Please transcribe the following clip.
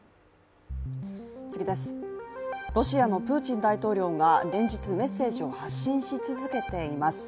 ロシアのプーチン大統領が連日、メッセージを発信し続けています。